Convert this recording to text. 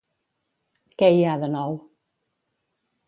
Què hi ha de nou.